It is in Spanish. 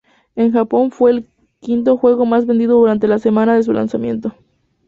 En Japón fue el quinto juego más vendido durante la semana de su lanzamiento.